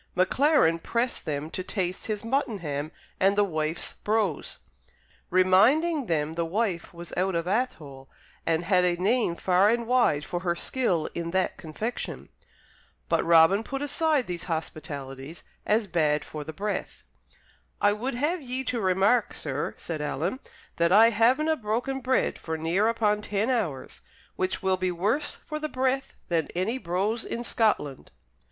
Maclaren pressed them to taste his muttonham and "the wife's brose," reminding them the wife was out of Athole and had a name far and wide for her skill in that confection. But Robin put aside these hospitalities as bad for the breath. "I would have ye to remark, sir," said Alan, "that I havenae broken bread for near upon ten hours, which will be worse for the breath than any brose in Scotland."